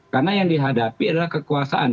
karena yang dihadapi adalah kekuasaan